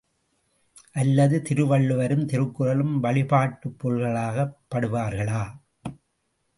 அல்லது திருவள்ளுவரும் திருக்குறளும் வழிபாட்டுப் பொருள்களாக்கப் படுவார்களா?